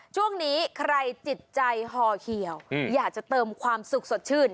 ช่วงนี้ใครจิตใจห่อเหี่ยวอยากจะเติมความสุขสดชื่น